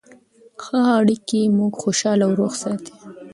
ښه اړیکې موږ خوشحاله او روغ ساتي.